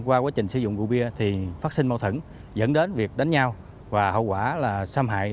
qua quá trình sử dụng rượu bia thì phát sinh mâu thửng dẫn đến việc đánh nhau và hậu quả là xâm hại